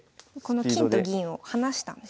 この金と銀を離したんですね。